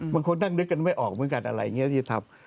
บางคนนั่งนึกกันไม่ออกเหมือนกันอะไรอย่างนี้ที่จะทำ